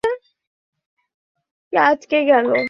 একজনের হাত নবীর হাতের সাথে আটকে গেল।